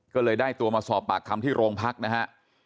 ก็เลยได้ตัวมาสอบปากคำที่โรงพักนะฮะ